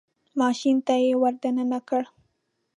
ماشین ته یې ور دننه کړ.